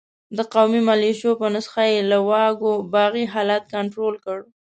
د قومي ملېشو په نسخه یې له واګو باغي حالت کنترول کړ.